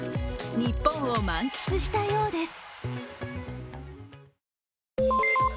日本を満喫したようです。